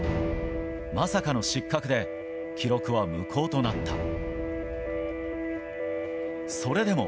まさかの失格で、記録は無効となった。